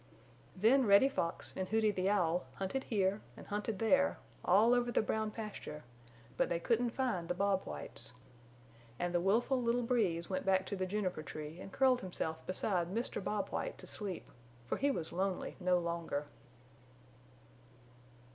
Then Reddy Fox and Hooty the Owl hunted here and hunted there, all over the Brown Pasture, but they couldn't find the Bob Whites. And the willful little Breeze went back to the juniper tree and curled himself beside Mr. Bob White to sleep, for he was lonely no longer.